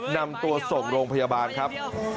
นำตัวส่งโรงพยาบาลครับ